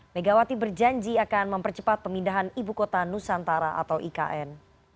megawati berjanji akan mempercepat pemindahan ibu kota nusantara atau ikn